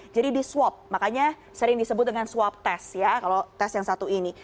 jadi di swap makanya sering disebut dengan swap test ya kalau tes yang satu ini